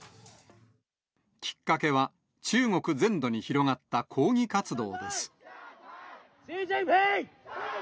きっかけは中国全土に広がった抗議活動です。